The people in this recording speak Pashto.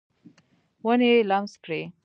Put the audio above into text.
ونې یې لمس کړي